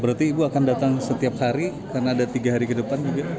berarti ibu akan datang setiap hari karena ada tiga hari ke depan juga